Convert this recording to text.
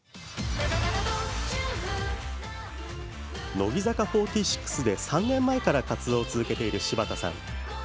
乃木坂４６で３年前から活動を続けている柴田さん。